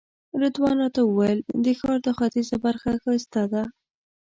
رضوان راته وویل د ښار دا ختیځه برخه ښایسته ده.